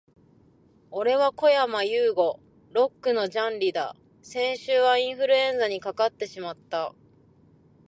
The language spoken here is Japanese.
俺はこやまゆうご。Lock のジャンリだ。先週はインフルエンザにかかってしまった、、、